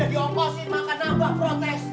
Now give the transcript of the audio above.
di oposin makan nambah protes